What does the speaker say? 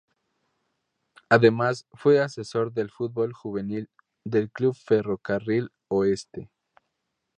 Además fue asesor del fútbol juvenil del club Ferro Carril Oeste.